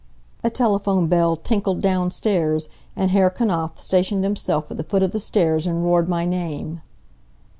A telephone bell tinkled downstairs and Herr Knapf stationed himself at the foot of the stairs and roared my name.